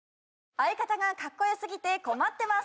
相方がかっこよすぎて困ってます！